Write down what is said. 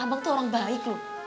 abang tuh orang baik loh